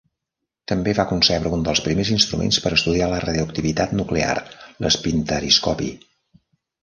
També va concebre un dels primers instruments per estudiar la radioactivitat nuclear, l'espintariscopi.